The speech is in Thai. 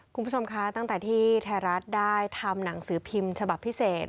คุณผู้ชมคะตั้งแต่ที่ไทยรัฐได้ทำหนังสือพิมพ์ฉบับพิเศษ